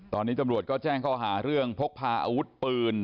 ตอนนี้ตำรวจก็แจ้งข้อหาเรื่องพกพาอาวุธปืน